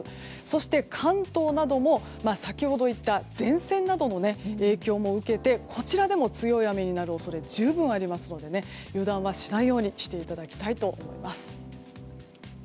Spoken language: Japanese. そして関東なども先ほど言った前線などの影響も受けてこちらでも強い雨になる恐れ十分ありますので油断はしないようにしていただきたいと思います。